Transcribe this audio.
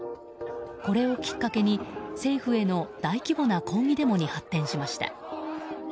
これをきっかけに、政府への大規模な抗議デモに発展しました。